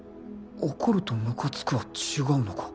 怒るとムカつくは違うのか